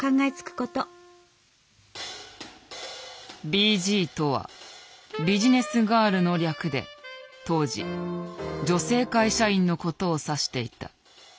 「ＢＧ」とは「ビジネスガール」の略で当時女性会社員のことを指していた。